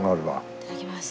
いただきます。